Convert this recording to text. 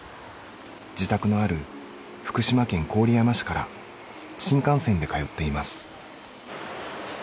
自宅のある福島県郡山市から新幹線で通っています。